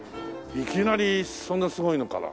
いきなりそんなすごいのから。